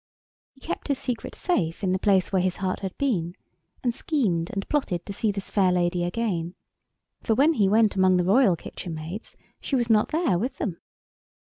He kept his secret safe in the place where his heart had been, and schemed and plotted to see this fair lady again; for when he went among the royal kitchen maids she was not there with them.